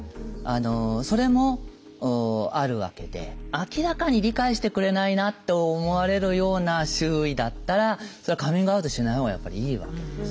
それもあるわけで明らかに理解してくれないなと思われるような周囲だったらそれはカミングアウトしないほうがやっぱりいいわけです。